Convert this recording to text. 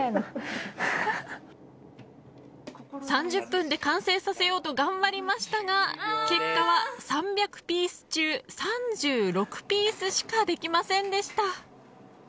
３０分で完成させようと頑張りましたが結果は、３００ピース中３６ピースしかできませんでした。